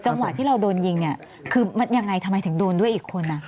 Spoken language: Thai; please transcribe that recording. จังหวะที่เราโดนยิงคือยังไงทำไมถึงโดนด้วยอีกคนน่ะ